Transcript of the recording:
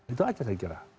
itu saja saya kira